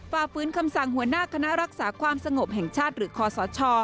ฝ่าฟื้นคำสั่งหัวหน้าคณะรักษาความสงบแห่งชาติหรือคอสช